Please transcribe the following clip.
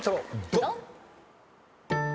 ドン！